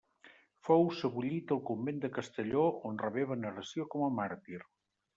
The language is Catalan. Fou sebollit al convent de Castelló, on rebé veneració com a màrtir.